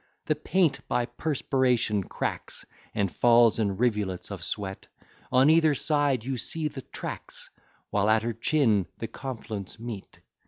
The paint by perspiration cracks, And falls in rivulets of sweat, On either side you see the tracks While at her chin the conflu'nts meet.